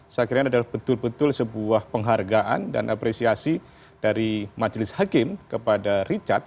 saya kira ini adalah betul betul sebuah penghargaan dan apresiasi dari majelis hakim kepada richard